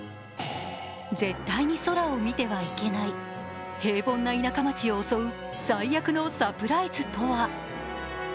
絶対に空を見てはいけない、平凡な田舎町を襲う最悪のサプライズとは。